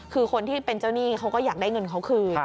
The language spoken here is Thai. คือคนที่เป็นเจ้าหนี้เขาก็อยากได้เงินเขาคืน